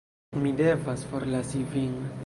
Mi devas forlasi vin.